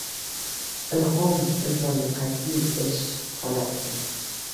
Ilhom – insonning qatʼiy ish holatidir.